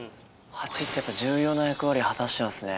ハチってやっぱ重要な役割果たしてますね。